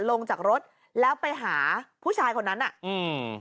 ลงจากรถแล้วไปหาผู้ชายคนนั้นอ่ะอืม